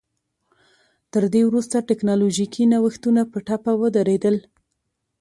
تر دې وروسته ټکنالوژیکي نوښتونه په ټپه ودرېدل